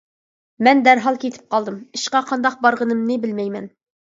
مەن دەرھال كېتىپ قالدىم، ئىشقا قانداق بارغىنىمنى بىلمەيمەن.